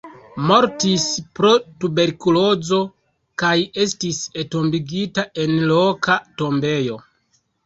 Mortis pro tuberkulozo kaj estis entombigita en loka tombejo.